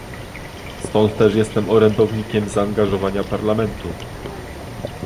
Stąd też jestem orędownikiem zaangażowania Parlamentu